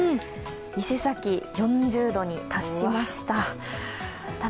伊勢崎、４０度に達しました。